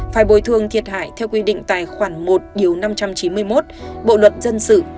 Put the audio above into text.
phải bồi thương thiệt hại theo quy định tài khoản một năm trăm chín mươi một bộ luật dân sự